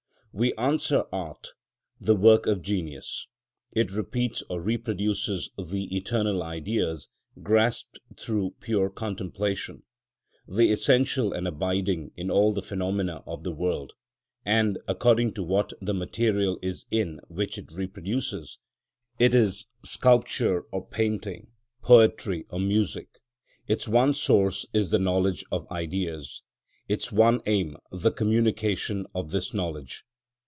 We answer, Art, the work of genius. It repeats or reproduces the eternal Ideas grasped through pure contemplation, the essential and abiding in all the phenomena of the world; and according to what the material is in which it reproduces, it is sculpture or painting, poetry or music. Its one source is the knowledge of Ideas; its one aim the communication of this knowledge.